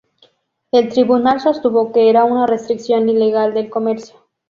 El tribunal sostuvo que era una restricción ilegal del comercio.